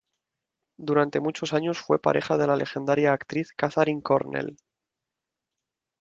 Durante muchos años fue pareja de la legendaria actriz Katharine Cornell.